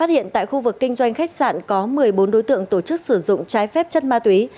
hiện tại khu vực kinh doanh khách sạn có một mươi bốn đối tượng tổ chức sử dụng trái phép chất ma túy